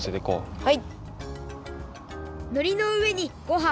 はい！